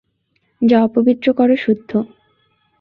যা অপবিত্র করো শুদ্ধ।